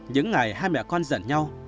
những ngày hai mẹ con giận nhau